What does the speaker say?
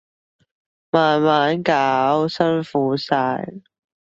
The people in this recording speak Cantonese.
慢慢搞，辛苦晒